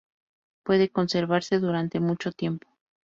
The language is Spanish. Puede conservase durante mucho tiempo.